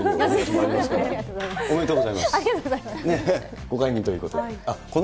ありがとうございます。